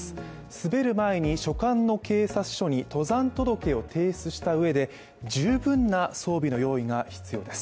滑る前に所管の警察署に登山届を提出したうえで十分な装備の用意が必要です。